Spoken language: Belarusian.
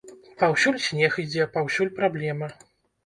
Паўсюль снег ідзе, паўсюль праблема.